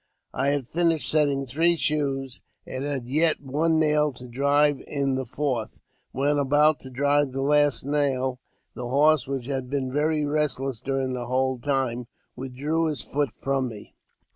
I had finished setting three shoes, and had yet one nail to drive in the fourth, when, about to drive the last nail, the horse, which had been very restless during the whole time, withdrew his foot from me.